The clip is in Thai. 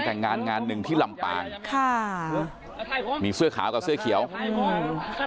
แต่งงานงานหนึ่งที่ลำปางค่ะมีเสื้อขาวกับเสื้อเขียวอืม